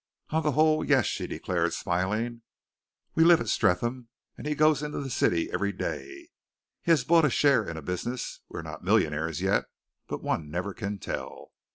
"On the whole, yes!" she declared, smiling. "We live at Streatham, and he goes in to the city every day. He has bought a share in a business. We are not millionaires yet, but one never can tell."